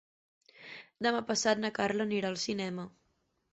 Demà passat na Carla anirà al cinema.